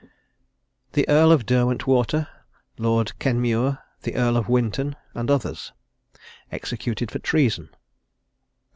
THE EARL OF DERWENTWATER, LORD KENMURE, THE EARL OF WINTON, AND OTHERS, EXECUTED FOR TREASON.